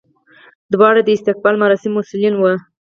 دواړه د استقبال مراسمو مسولین وو.